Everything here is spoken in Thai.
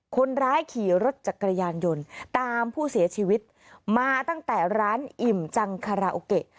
คนร้ายขี่รถจักรยานยนต์ตามผู้เสียชีวิตมาตั้งแต่ร้านอิ่มจังคาราโอเกะ